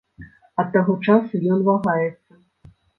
Ад таго часу ён вагаецца.